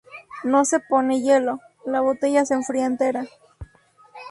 No se pone hielo, la botella se enfría entera.